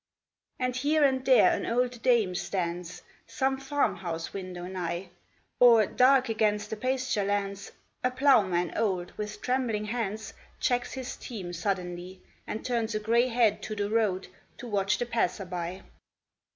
250 THE OLD VILLAGE. And here and there an old dame stands Some farm house window nigh, Or, dark against the pasture lands, A ploughman old, with trembling hands, Checks his team suddenly, And turns a gray head to the road To watch the passer by.